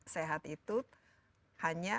sehat itu hanya